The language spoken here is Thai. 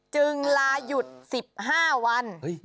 จึงลาหยุด๑๕วัน